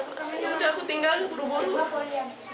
sudah aku tinggal baru baru